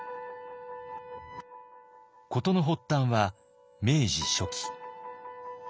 事の発端は明治初期。